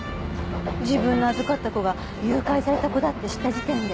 自分の預かった子が誘拐された子だって知った時点で。